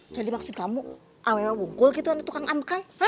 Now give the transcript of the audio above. jadi maksud kamu awwewe bungkul gitu tukang ngambekan